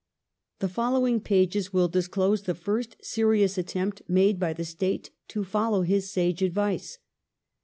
The following pages will disclose the first serious attempt made by the State to follow his sage advice.